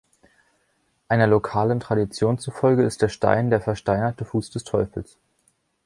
Einer lokalen Tradition zufolge ist der Stein der versteinerte Fuß des Teufels.